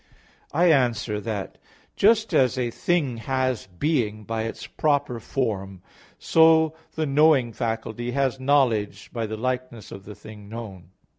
I answer that, Just as a thing has being by its proper form, so the knowing faculty has knowledge by the likeness of the thing known.